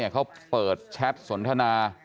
เขาเปิดแชทสนทนา